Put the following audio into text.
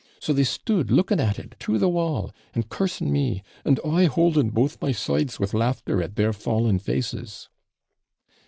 So they stood looking at it through the wall, and cursing me and I holding both my sides with laughter at their fallen faces.'